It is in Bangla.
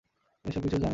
তিনি সবকিছু জানেন।